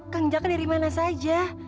kanjaka dari mana saja